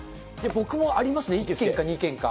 僕もありますね、１軒か２軒か。